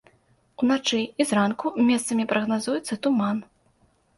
Уначы і зранку месцамі прагназуецца туман.